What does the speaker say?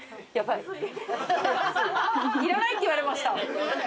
いらないって言われました。